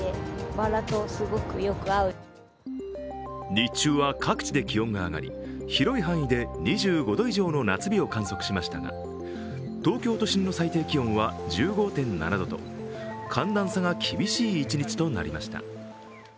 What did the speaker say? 日中は各地で気温が上がり、広い範囲で２５度以上の夏日を観測しましたが東京都心の最低気温は２５．７度と寒暖差が厳しい一日となりました。